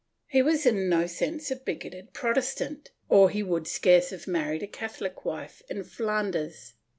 He was in no sense a bigoted Protestant, or he would scarce have married a Catholic wife in Flanders.